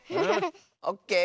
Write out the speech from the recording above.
オッケー。